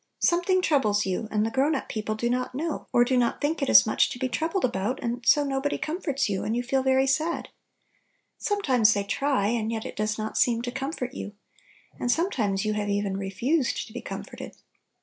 Something troubles you, and the grown up people do not know, or do not think it is much to be troubled about, and so nobody comforts you, and you feel very sad. Sometimes they try, and yet it does not seem to comfort you. And sometimes you have even "refused to be comforted."